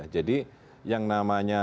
jadi yang namanya